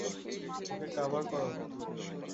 ওকে cover করো!